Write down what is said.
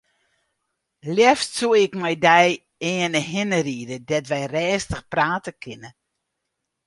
Leafst soe ik mei dy earne hinne ride dêr't wy rêstich prate kinne.